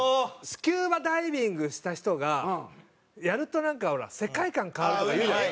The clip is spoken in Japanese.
スキューバダイビングした人がやるとなんかほら世界観変わるとか言うじゃない？